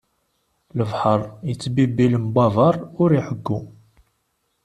Lebḥeṛ ittbibbi lembabeṛ ur iɛeggu.